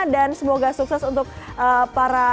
dan semoga sukses untuk para pejuang